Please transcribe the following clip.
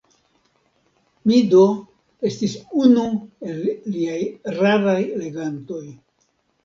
Mi do estis unu el liaj raraj legantoj.